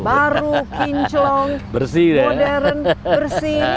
baru kinclong modern bersih